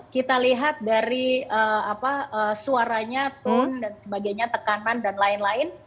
kita lihat dari suaranya tone dan sebagainya tekanan dan lain lain